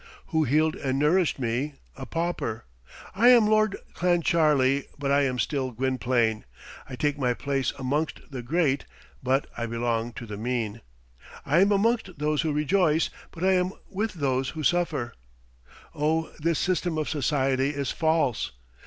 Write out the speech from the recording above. Who healed and nourished me? A pauper. I am Lord Clancharlie; but I am still Gwynplaine. I take my place amongst the great; but I belong to the mean. I am amongst those who rejoice; but I am with those who suffer. Oh, this system of society is false!